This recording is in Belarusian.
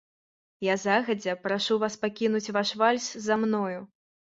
Я загадзя прашу вас пакінуць ваш вальс за мною.